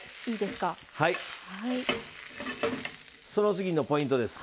その次のポイントです。